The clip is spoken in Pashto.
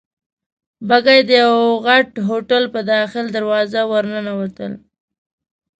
بګۍ د یوه غټ هوټل په داخلي دروازه ورننوتل.